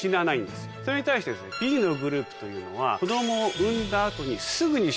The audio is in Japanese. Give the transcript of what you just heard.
それに対してＢのグループというのは。